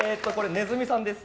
ネズミさんです。